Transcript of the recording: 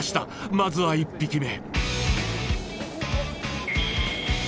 まずは１匹目！